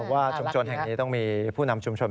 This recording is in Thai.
ว่าชุมชนแห่งนี้ต้องมีผู้นำชุมชน